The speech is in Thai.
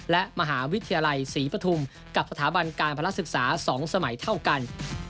และมหาวิทยาลัยศรีปฐุมกับสถาบันการพลักษึกษา๒สมัยเท่ากัน